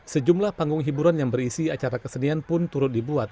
sejumlah panggung hiburan yang berisi acara kesenian pun turut dibuat